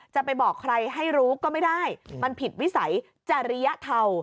จะไปบอกใครให้รู้ก็ไม่ได้มันผิดวิสัยจริยธรรม